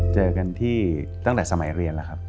เจอกันที่ตั้งแต่สมัยเรียนแล้วครับ